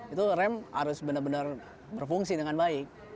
itu rem harus benar benar berfungsi dengan baik